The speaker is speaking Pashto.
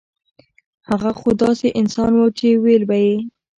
هغه خو داسې انسان وو چې وييل به يې